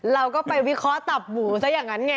เราก็ไปวิเคราะห์ตับหมูซะอย่างนั้นไง